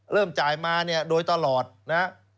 เริ่มจ่ายมาเนี่ยโดยตลอดนะ